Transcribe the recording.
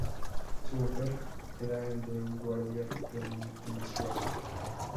Su papel era el de un guardia penitenciario.